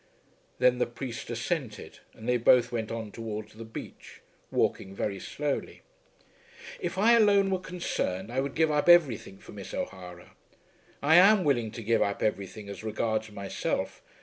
Then the priest assented, and they both went on towards the beach, walking very slowly. "If I alone were concerned, I would give up everything for Miss O'Hara. I am willing to give up everything as regards myself.